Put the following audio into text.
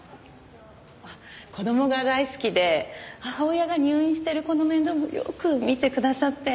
子供が大好きで母親が入院してる子の面倒もよく見てくださって。